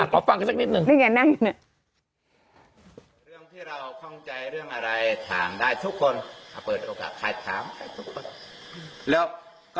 อ่ะตอบฟังกันสักนิดนึง